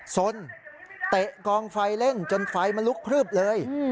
สนเตะกองไฟเล่นจนไฟมันลุกพลืบเลย